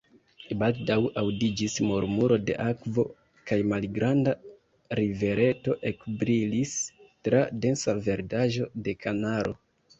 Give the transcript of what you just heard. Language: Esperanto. Baldaŭ aŭdiĝis murmuro de akvo, kaj malgranda rivereto ekbrilis tra densa verdaĵo de kanaro.